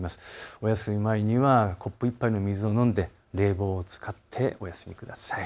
お休み前にはコップ１杯の水を飲んで冷房を使ってお休みください。